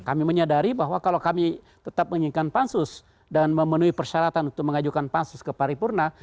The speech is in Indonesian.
kami menyadari bahwa kalau kami tetap menginginkan pansus dan memenuhi persyaratan untuk mengajukan pansus ke paripurna